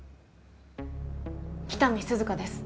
喜多見涼香です